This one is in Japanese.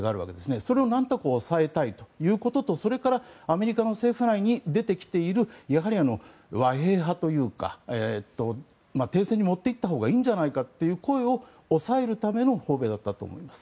それを何とか押さえたいということとそれから、アメリカ政府内に出てきている和平派というか停戦に持っていったほうがいいんじゃないかという声を抑えるための訪米だったと思います。